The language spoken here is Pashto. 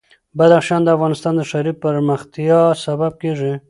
بدخشان د افغانستان د ښاري پراختیا سبب کېږي.